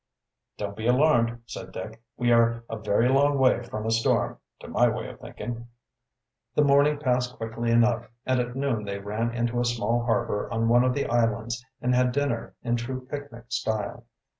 "Don't be alarmed," said Dick. "We are a very long way from a storm, to my way of thinking." The morning passed quickly enough, and at noon they ran into a small harbor on one of the islands and had dinner in true picnic style.